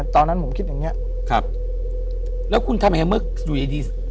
ตอนนั้นผมคิดอย่างเงี้ยครับแล้วคุณทำยังไงเมื่ออยู่ดี